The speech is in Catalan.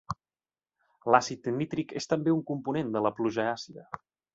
L'àcid nítric és també un component de la pluja àcida.